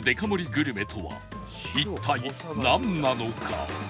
グルメとは一体なんなのか？